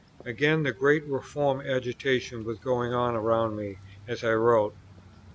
Again, the great Reform Agitation was going on around me as I wrote.